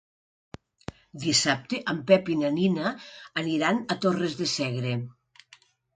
Dissabte en Pep i na Nina aniran a Torres de Segre.